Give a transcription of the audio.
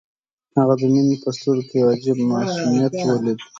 هغه د مينې په سترګو کې يو عجيب معصوميت وليد.